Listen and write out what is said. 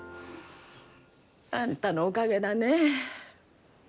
あんたのおかげだねぇ。